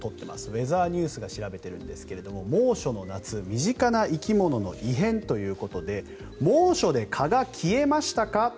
ウェザーニュースが調べているんですが猛暑の夏身近な生き物の異変ということで猛暑で蚊が消えましたか？